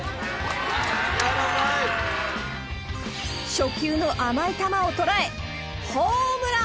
［初球の甘い球を捉えホームラン］